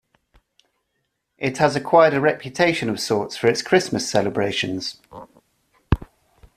It has acquired a reputation of sorts for its Christmas celebrations.